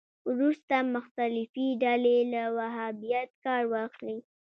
وروسته مختلفې ډلې له وهابیت کار واخلي